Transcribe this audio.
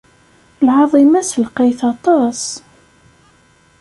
Lɛaḍima-s lqayet aṭas.